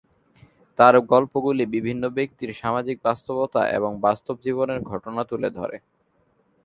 তাঁর গল্পগুলি বিভিন্ন ব্যক্তির সামাজিক বাস্তবতা এবং বাস্তব জীবনের ঘটনা তুলে ধরে।